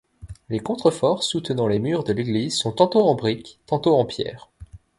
Les contreforts soutenant les murs de l'église sont tantôt en brique, tantôt en pierre.